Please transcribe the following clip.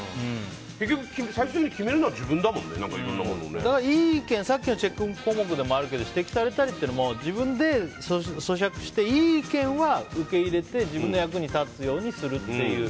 結局最終的に決めるのは自分だもんね。さっきのチェック項目でもあったけど指摘されたりしても自分で咀嚼して、いい意見は受け入れて、自分の役に立つようにするっていう。